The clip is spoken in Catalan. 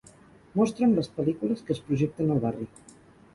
Mostra'm les pel·lícules que es projecten al barri